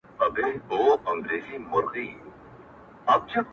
چي پخوا چېرته په ښار د نوبهار کي٫